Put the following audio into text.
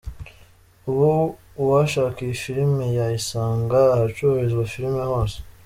Ubu uwashaka iyi filime ya yisanga ahacururizwa filime hose.